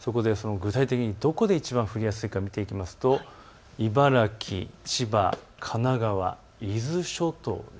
そこで具体的にどこがいちばん降りやすいか見ますと茨城、千葉、神奈川、伊豆諸島です。